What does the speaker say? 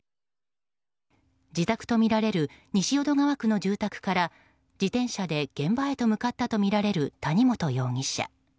自宅とみられる西淀川区の住宅から自転車で現場へと向かったとみられる谷本容疑者。